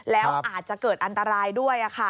แล้วอาจจะเกิดอันตรายด้วย